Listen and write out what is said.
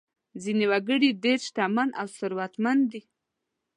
ځینې وګړي ډېر شتمن او ثروتمند دي.